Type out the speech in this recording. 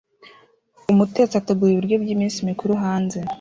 Umutetsi ategura ibiryo by'iminsi mikuru hanze